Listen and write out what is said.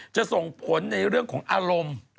จะส่งผลในเรื่องของอารมณ์